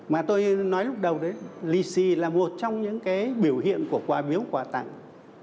mà tôi nói lúc đầu đấy lì xì là một trong những cái biểu hiện của quả biếu quả tặng